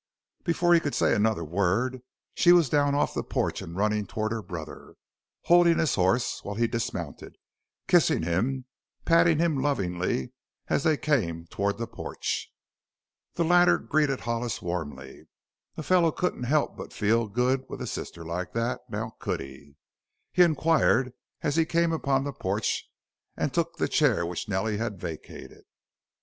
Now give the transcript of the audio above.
Before he could say another word she was down off the porch and running toward her brother, holding his horse while he dismounted, kissing him, patting him lovingly as they came toward the porch. The latter greeted Hollis warmly. "A fellow couldn't help but feel good with a sister like that now could he?" he inquired as he came upon the porch and took the chair which Nellie had vacated.